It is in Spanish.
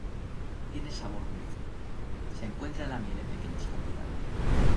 Tiene sabor dulce, se encuentra en la miel en pequeñas cantidades.